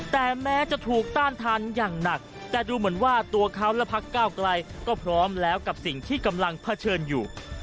แต่แม้จะถูกต้านทานอย่างหนักแต่ดูเหมือนว่าตัวเขาและพักเก้าไกลก็พร้อมแล้วกับสิ่งที่กำลังเผชิญอยู่